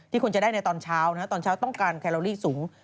ควรจะได้ในตอนเช้าตอนเช้าต้องการแคลอรี่สูง